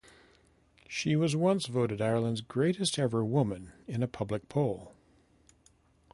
She was once voted Ireland's greatest ever woman in a public poll.